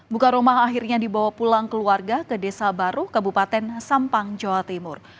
buka rumah akhirnya dibawa pulang keluarga ke desa baru kabupaten sampang jawa timur